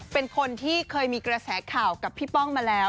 เป็นคนที่เคยมีกระแสข่าวกับพี่ป้องมาแล้ว